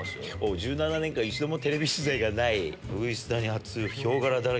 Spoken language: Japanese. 「１７年間一度もテレビ取材がない鶯谷発ヒョウ柄だらけ」。